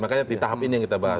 makanya di tahap ini yang kita bahas